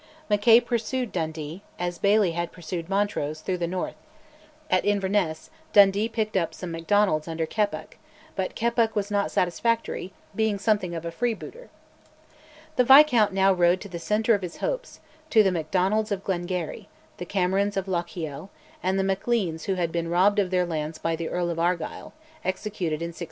Mackay pursued Dundee, as Baillie had pursued Montrose, through the north: at Inverness, Dundee picked up some Macdonalds under Keppoch, but Keppoch was not satisfactory, being something of a freebooter. The Viscount now rode to the centre of his hopes, to the Macdonalds of Glengarry, the Camerons of Lochiel, and the Macleans who had been robbed of their lands by the Earl of Argyll, executed in 1685.